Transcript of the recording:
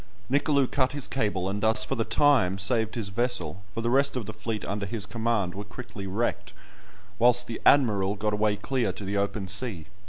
Nicolou cut his cable, and thus for the time saved his vessel; for the rest of the fleet under his command were quickly wrecked, whilst "the Admiral" got away clear to the open sea.